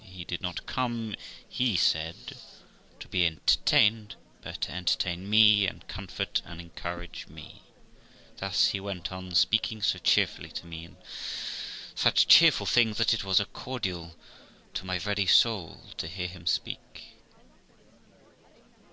He did not come, he said, to be entertained, but to entertain me, and comfort and encourage me. Thus he went on, speaking so cheerfully to me, and such cheerful things, that it was a cordial to my very soul to hear him speak.